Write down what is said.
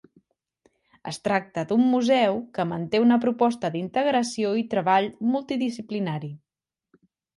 Es tracta d'un museu que manté una proposta d'integració i treball multidisciplinari.